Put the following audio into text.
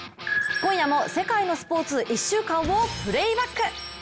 今夜も世界のスポーツ１週間をプレーバック。